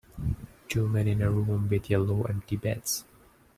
Two men in a room with yellow empty beds.